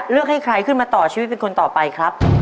เลือกให้ใครขึ้นมาต่อชีวิตเป็นคนต่อไปครับ